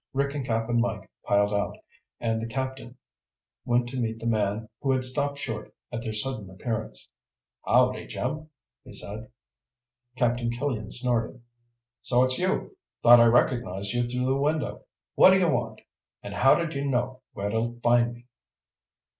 Rick and Cap'n Mike piled out, and the Captain went to meet the man who had stopped short at their sudden appearance. "Howdy, Jim," he said. Captain Killian snorted. "So it's you. Thought I recognized you through the window. What d'you want? And how did you know where to find me?"